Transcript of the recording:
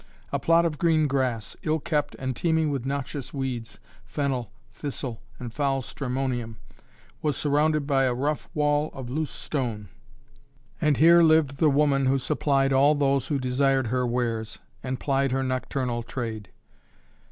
A plot of green grass, ill kept and teeming with noxious weeds, fennel, thistle and foul stramonium, was surrounded by a rough wall of loose stone; and here lived the woman who supplied all those who desired her wares, and plied her nocturnal trade.